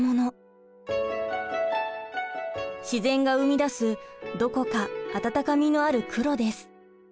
自然が生み出すどこか温かみのある黒です。